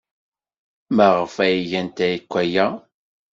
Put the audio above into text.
Maɣef ay gant akk aya?